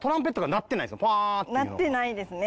鳴ってないですね。